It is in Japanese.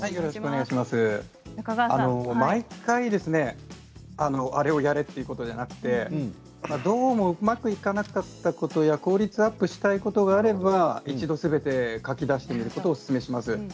毎回あれをやれということではなくてどうもうまくいかなかったことや効率アップしたいことがあれば一度すべて書き出すということをおすすめします。